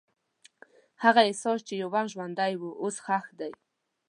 هغه احساس چې یو وخت ژوندی و، اوس ښخ دی.